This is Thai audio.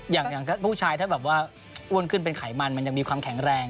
อย่างผู้ชายถ้าแบบว่าอ้วนขึ้นเป็นไขมันมันยังมีความแข็งแรง